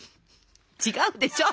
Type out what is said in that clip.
違うでしょ。